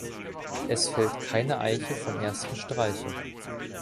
Es fällt keine Eiche vom ersten Streiche.